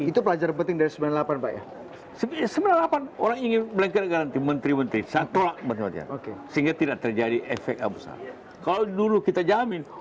itu pelajar penting dari sembilan puluh delapan ya sembilan puluh delapan orang ingin mereka garanti menteri menteri sehingga tidak terjadi efek abusah kalau dulu kita jamin